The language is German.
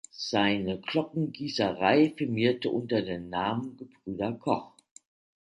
Seine Glockengießerei firmierte unter den Namen "Gebrüder Koch".